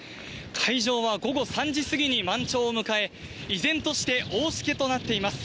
海上は午後３時過ぎに満潮を迎え、依然として、大しけとなっています。